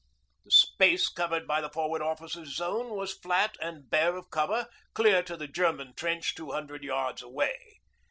The space covered by the Forward Officer's zone was flat and bare of cover clear to the German trench two hundred yards away.